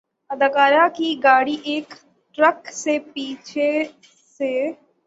اداکارہ کی گاڑی ایک ٹرک سے پیچھے سے